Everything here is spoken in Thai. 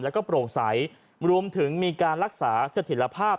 แล้วก็โปร่งใสรวมถึงมีการรักษาสถิตภาพ